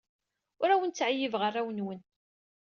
Ur awen-ttɛeyyibeɣ arraw-nwen.